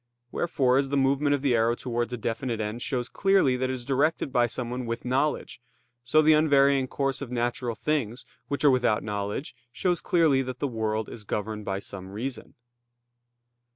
Wherefore, as the movement of the arrow towards a definite end shows clearly that it is directed by someone with knowledge, so the unvarying course of natural things which are without knowledge, shows clearly that the world is governed by some reason.